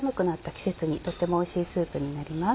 季節にとってもおいしいスープになります。